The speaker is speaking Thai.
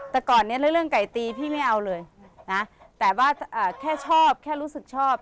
แต่ก่อนนี้เรื่องไก่ตีพี่ไม่เอาเลยนะแต่ว่าแค่ชอบแค่รู้สึกชอบ